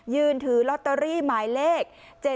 ยืนถือลอตเตอรี่หมายเลข๗๗